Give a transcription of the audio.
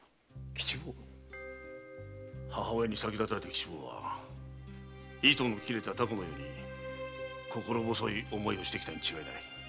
母親に先立たれた吉坊は糸の切れた凧のように心細い思いをしてきたに違いない。